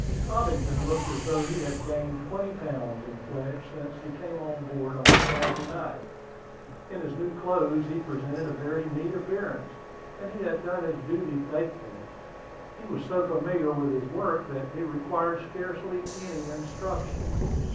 Cobbington looked as though he had gained twenty pounds in flesh since he came on board on Saturday night. In his new clothes he presented a very neat appearance; and he had done his duty faithfully. He was so familiar with his work, that he required scarcely any instruction.